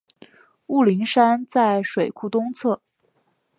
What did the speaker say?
雾灵山在水库东侧。